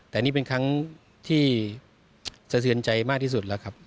แต่นี่เป็นครั้งที่สะเทือนใจมากที่สุดแล้วครับ